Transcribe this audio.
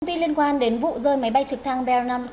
công ty liên quan đến vụ rơi máy bay trực thăng b năm trăm linh năm